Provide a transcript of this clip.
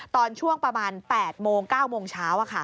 ตอนช่วงประมาณ๘โมง๙โมงเช้า